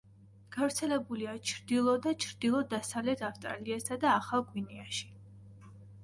გავრცელებულია ჩრდილო და ჩრდილო-დასავლეთ ავსტრალიასა და ახალ გვინეაში.